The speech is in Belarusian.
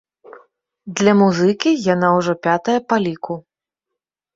Для музыкі яна ўжо пятая па ліку.